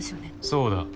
そうだ。